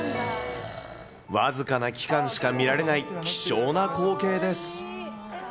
僅かな期間しか見られない貴重な光景です。